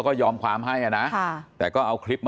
มันต้องการมาหาเรื่องมันจะมาแทงนะ